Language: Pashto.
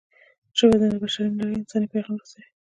ژبه د بشري نړۍ انساني پیغام رسوي